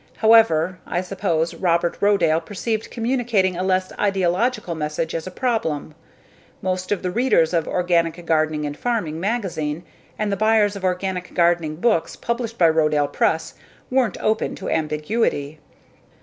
However, I suppose Robert Rodale perceived communicating a less ideological message as a problem: most of the readers of _Organic Gardening and Farming _magazine and the buyers of organic gardening books published by Rodale Press weren't open to ambiguity.